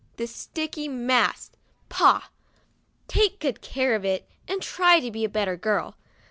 The sticky mass — Pah ! "Take good care of it, and try to be a better girl.